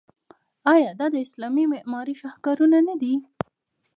آیا دا د اسلامي معمارۍ شاهکارونه نه دي؟